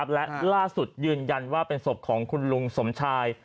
และล่าสุดยืนยันว่าเป็นศพของคุณลุงสมชาย